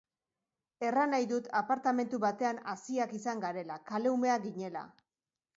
Erran nahi dut apartamentu batean haziak izan garela, kale-umeak ginela.